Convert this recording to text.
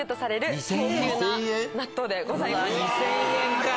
２０００円か！